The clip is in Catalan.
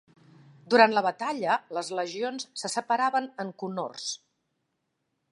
Durant la batalla, les legions se separaven en cohorts.